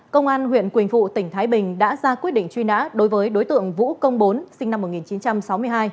công an huyện quỳnh phụ tỉnh thái bình đã ra quyết định truy nã đối với đối tượng vũ công bốn sinh năm một nghìn chín trăm sáu mươi hai